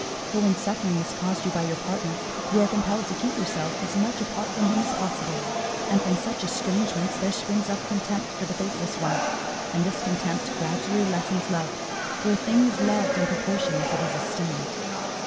For, when suffering is caused you by your partner, you are compelled to keep yourself as much apart from him as possible; and from such estrangement there springs up contempt for the faithless one; and this contempt gradually lessens love, for a thing is loved in proportion as it is esteemed."